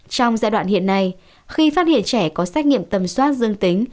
trong giai đoạn hiện nay khi phát hiện trẻ có xét nghiệm tầm soát dương tính